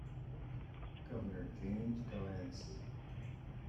Governor James Delancey.